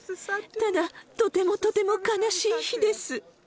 ただ、とてもとても悲しい日です。